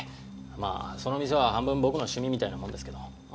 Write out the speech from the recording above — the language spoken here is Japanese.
まあその店は半分僕の趣味みたいなもんですけど。